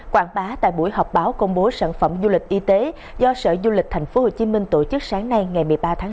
quảng bá tại buổi họp báo công bố sản phẩm du lịch y tế do sở du lịch tp hcm tổ chức sáng nay ngày một mươi ba tháng bốn